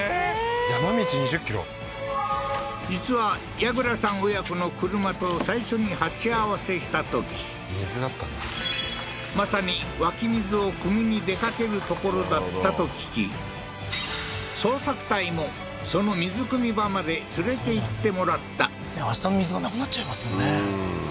山道２０ｋｍ実は矢倉さん親子の車と最初に鉢合わせした時水だったんだまさに湧き水を汲みに出かける所だったと聞き捜索隊もその水汲み場まで連れていってもらったあしたの水がなくなっちゃいますもんね